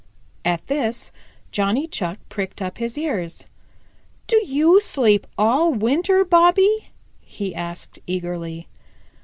At this Johnny Chuck pricked up his ears. "Do you sleep all winter, Bobby?" he asked eagerly.